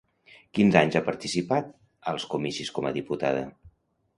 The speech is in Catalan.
Quins anys ha participat als comicis com a diputada?